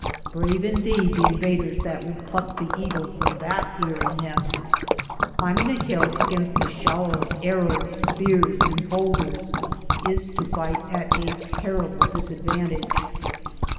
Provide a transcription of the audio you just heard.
Brave indeed the invaders that would pluck the eagles from that eerie nest ! Climb ing a hill against a shower of arrows, spears, and bowlders is to fight at a terrible disad vantage.